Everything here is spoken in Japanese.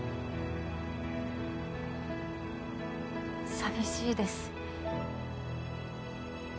寂しいです。